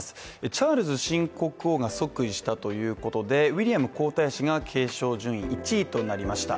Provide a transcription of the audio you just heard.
チャールズ新国王が即位したということでウィリアム皇太子が継承順位１位となりました。